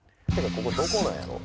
ここどこなんやろ？